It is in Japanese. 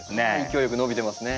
勢いよく伸びてますね。